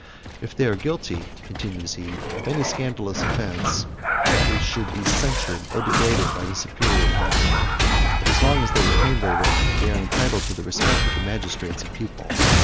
"If they are guilty," continues he, "of any scandalous offence, they should be censured or degraded by the superior pontiff; but as long as they retain their rank, they are entitled to the respect of the magistrates and people.